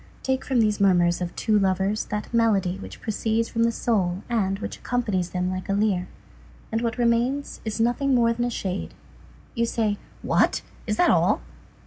Take from those murmurs of two lovers that melody which proceeds from the soul and which accompanies them like a lyre, and what remains is nothing more than a shade; you say: "What! is that all!"